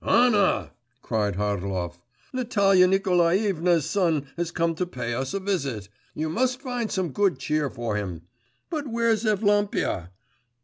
'Anna!' cried Harlov, 'Natalia Nikolaevna's son has come to pay us a visit; you must find some good cheer for him. But where's Evlampia?